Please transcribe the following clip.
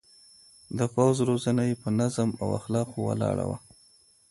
د پوځ روزنه يې پر نظم او اخلاقو ولاړه وه.